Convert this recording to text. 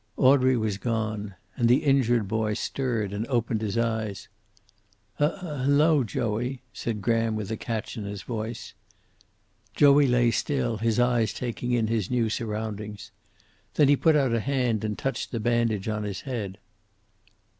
Audrey was gone. And the injured boy stirred and opened his eyes. "H hello, Joey," said Graham, with a catch in his voice. Joey lay still, his eyes taking in his new surroundings. Then he put out a hand and touched the bandage on his head.